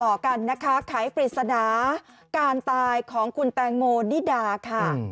ต่อกันนะคะไขปริศนาการตายของคุณแตงโมนิดาค่ะ